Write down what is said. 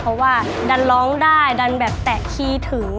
เพราะว่าดันร้องได้ดันแบบแตะคีย์ถึง